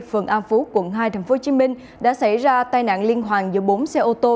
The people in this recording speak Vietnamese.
phường an phú quận hai tp hcm đã xảy ra tai nạn liên hoàn giữa bốn xe ô tô